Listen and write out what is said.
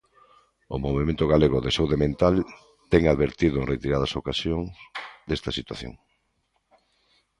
O Movemento Galego da Saúde Mental ten advertido en reiteradas ocasións desta situación.